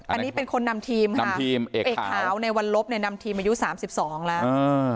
อันนี้เป็นคนนำทีมค่ะทีมเอกขาวในวันลบเนี่ยนำทีมอายุ๓๒แล้ว